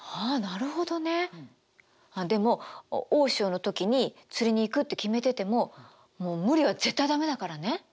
あなるほどね。あっでも大潮の時に釣りに行くって決めててももう無理は絶対駄目だからね。